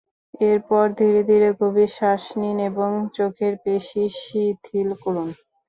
এরপর ধীরে ধীরে গভীর শ্বাস নিন এবং চোখের পেশি শিথিল করুন।